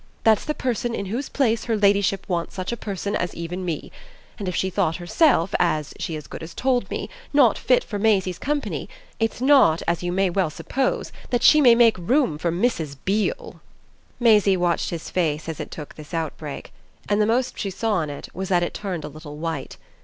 That's the person in whose place her ladyship wants such a person as even me; and if she thought herself, as she as good as told me, not fit for Maisie's company, it's not, as you may well suppose, that she may make room for Mrs. Beale!" Maisie watched his face as it took this outbreak, and the most she saw in it was that it turned a little white.